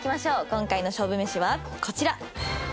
今回の勝負めしはこちら。